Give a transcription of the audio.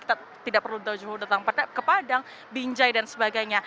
kita tidak perlu jauh jauh datang ke padang binjai dan sebagainya